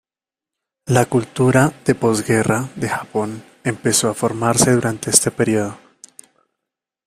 La cultura de Posguerra de Japón empezó a formarse durante este período.